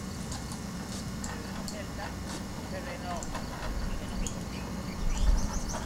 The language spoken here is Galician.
Sucede no Celta, sucede no e no Deportivo.